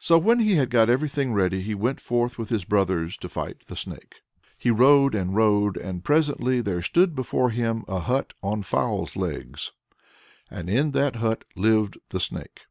So when he had got everything ready, he went forth with his brothers to fight the Snake. He rode and rode, and presently there stood before him a hut on fowl's legs, and in that hut lived the Snake.